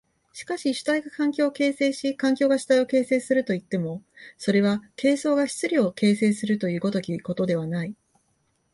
しかし主体が環境を形成し環境が主体を形成するといっても、それは形相が質料を形成するという如きことではない。